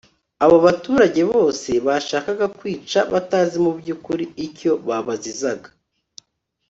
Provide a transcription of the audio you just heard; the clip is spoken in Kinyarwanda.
abo baturage bose bashakaga kwica batazi mu by'ukuri icyo babazizaga